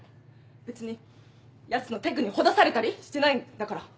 別にやつのテクにほだされたりしてないんだから。